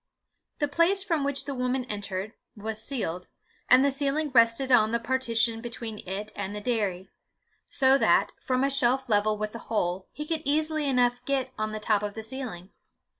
The place from which the woman entered, was ceiled, and the ceiling rested on the partition between it and the dairy; so that, from a shelf level with the hole, he could easily enough get on the top of the ceiling.